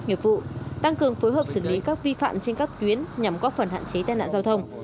nghiệp vụ tăng cường phối hợp xử lý các vi phạm trên các tuyến nhằm góp phần hạn chế tai nạn giao thông